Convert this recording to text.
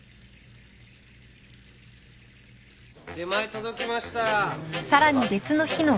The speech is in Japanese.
出前届きました。